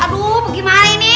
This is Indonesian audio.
aduh gimana ini